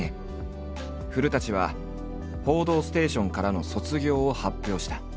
古は「報道ステーション」からの卒業を発表した。